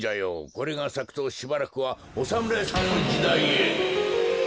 これがさくとしばらくはおさむらいさんのじだいへ。